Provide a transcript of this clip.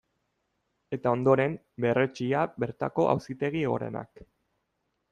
Eta ondoren berretsia bertako Auzitegi Gorenak.